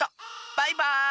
バイバーイ！